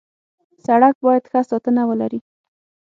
سړک باید ښه ساتنه ولري.